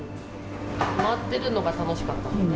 回ってるのが楽しかったもんね。